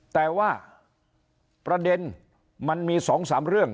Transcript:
แต่ว่าประเด็นมันมี๒๓เรื่อง